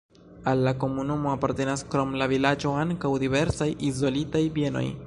Al la komunumo apartenas krom la vilaĝo ankaŭ diversaj izolitaj bienoj.